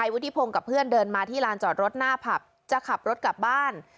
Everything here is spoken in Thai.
วุฒิพงศ์กับเพื่อนเดินมาที่ลานจอดรถหน้าผับจะขับรถกลับบ้าน